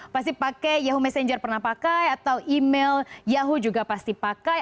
pasti pakai yahoo messenger pernah pakai atau email yahoo juga pasti pakai